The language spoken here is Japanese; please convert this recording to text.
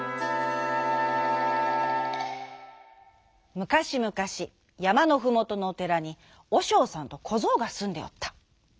むかしむかしやまのふもとのおてらにおしょうさんとこぞうがすんでおった。